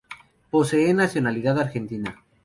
Posee nacionalidad argentina.